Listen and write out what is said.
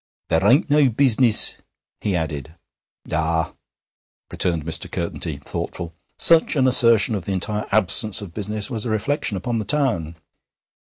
'There ain't no business!' he added. 'Ah!' returned Mr. Curtenty, thoughtful: such an assertion of the entire absence of business was a reflection upon the town.